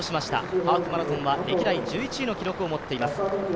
ハーフマラソンは歴代１１位の記録を持っています。